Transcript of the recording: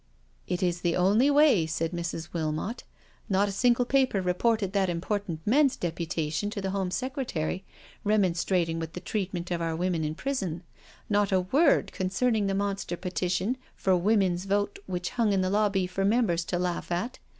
" It is the only way," said Mrs. Wilmot. " Not a saigle paper reported that important men's deputa tion to the Home Secretary, remonstrating with the treatment of our women in prison; not a word concern ing the monster petition for Women's Vote which hung in the lobby for members to laugh at.